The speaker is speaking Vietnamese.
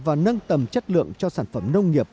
và nâng tầm chất lượng cho sản phẩm nông nghiệp